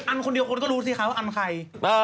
คนเดียวคนก็รู้สิคะว่าอันใคร